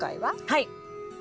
はい。